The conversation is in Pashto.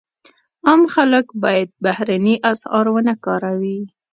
عام خلک باید بهرني اسعار ونه کاروي.